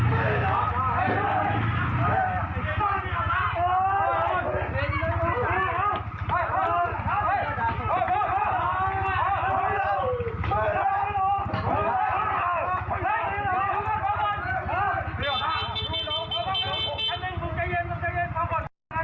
นี่ล่ะนะ